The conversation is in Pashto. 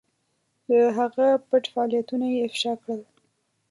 د هغه پټ فعالیتونه یې افشا کړل.